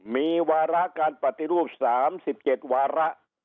มีวาระการปฏิรูป๓๗วาระ